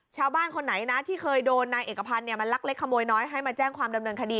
คนไหนนะที่เคยโดนนายเอกพันธ์มันลักเล็กขโมยน้อยให้มาแจ้งความดำเนินคดี